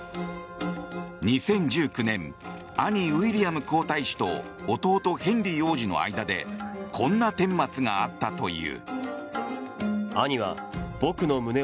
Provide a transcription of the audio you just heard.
２０１９年兄ウィリアム皇太子と弟ヘンリー王子の間でこんな顛末があったという。